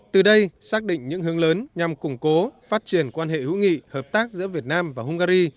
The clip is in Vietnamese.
từ đây xác định những hướng lớn nhằm củng cố phát triển quan hệ hữu nghị hợp tác giữa việt nam và hungary